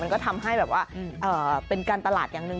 มันก็ทำให้เป็นการตลาดอย่างหนึ่ง